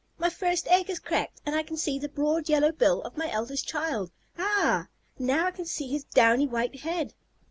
"My first egg is cracked, and I can see the broad yellow bill of my eldest child. Ah! Now I can see his downy white head."